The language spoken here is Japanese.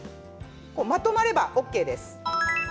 まとまればＯＫです。